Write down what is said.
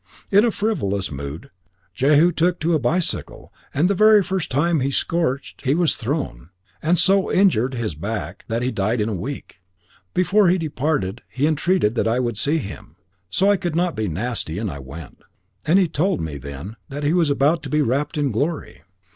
In a frivolous mood Jehu took to a bicycle, and the very first time he scorched he was thrown, and so injured his back that he died in a week. Before he departed he entreated that I would see him; so I could not be nasty, and I went. And he told me then that he was about to be wrapped in glory.